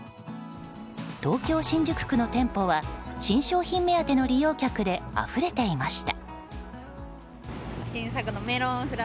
東京・新宿区の店舗は新商品目当ての利用客であふれていました。